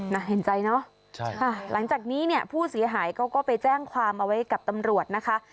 น่าเห็นใจเนอะใช่ค่ะหลังจากนี้เนี่ยผู้เสียหายเขาก็ไปแจ้งความเอาไว้กับตำรวจนะคะ